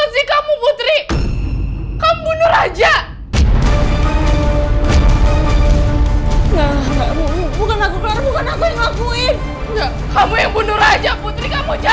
sampai jumpa di video selanjutnya